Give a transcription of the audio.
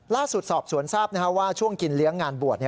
ล่าสุดสอบสวนทราบว่าช่วงกินเลี้ยงงานบวช